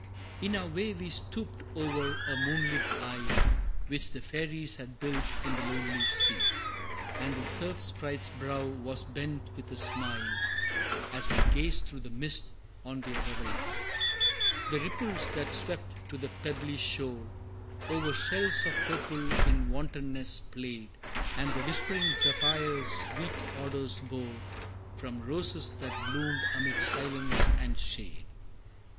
In our way we stooped o'er a moonlit isle, Which the fairies had built in the lonely sea, And the Surf Sprite's brow was bent with a smile, As we gazed through the mist on their revelry. The ripples that swept to the pebbly shore, O'er shells of purple in wantonness played, And the whispering zephyrs sweet odors bore, From roses that bloomed amid silence and shade.